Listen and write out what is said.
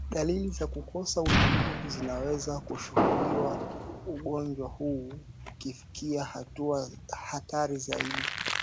Dalili za kukosa utulivu zinaweza kushuhudiwa ugonjwa huu ukifikia hatua hatari zaidi